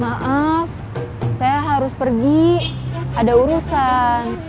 maaf saya harus pergi ada urusan